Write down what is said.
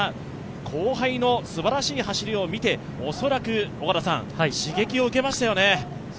後輩のすばらしい走りを見て恐らく刺激を受けましたよね。